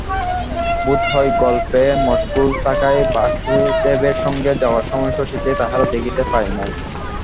বোধ হয় গল্পে মশগুল থাকায় বাসুদেবের সঙ্গে যাওয়ার সময় শশীকে তাহারা দেখিতে পায় নাই।